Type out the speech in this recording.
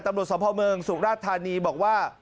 ตำรวจสมภาวเมืองสุราชธานีบอกว่า